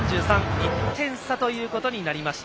１点差ということになりました。